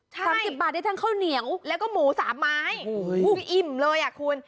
สามสิบบาทได้ทั้งข้าวเหนียวแล้วก็หมูสามไม้โอ้โหอิ่มเลยอ่ะคุณ